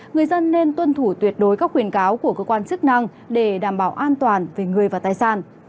người dân nên tuân thủ tuyệt đối các khuyên cáo của cơ quan chức năng để đảm bảo an toàn về người và tài sản